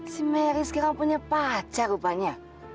si mary sekarang punya pacar rupanya